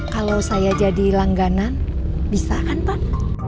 kalau saya jadi langganan bisa kan pak